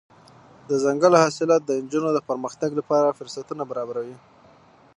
دځنګل حاصلات د نجونو د پرمختګ لپاره فرصتونه برابروي.